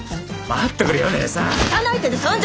待ってくれよねえさん。